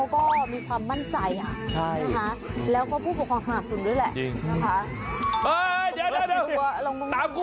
เขาไม่ใช่กาเต้นขัค